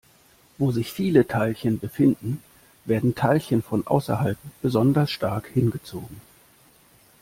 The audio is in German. Wo sich viele Teilchen befinden, werden Teilchen von außerhalb besonders stark hingezogen.